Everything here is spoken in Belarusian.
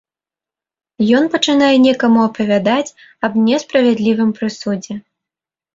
Ён пачынае некаму апавядаць аб несправядлівым прысудзе.